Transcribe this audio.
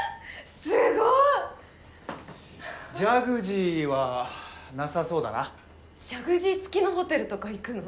すごいジャグジーはなさそうだなジャグジー付きのホテルとか行くの？